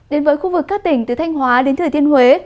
đến với khu vực các tỉnh từ thanh hóa đến thừa thiên huế